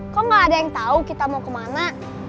kok gak ada yang tahu kita mau kemana